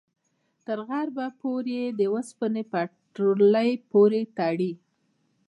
تر غربه پورې یې د اوسپنې پټلۍ پورې تړي.